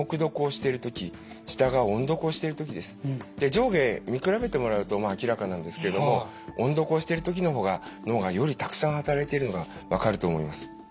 上下見比べてもらうと明らかなんですけれども音読をしている時のほうが脳がよりたくさん働いているのが分かると思います。